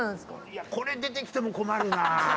いやこれ出てきても困るな。